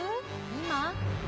今？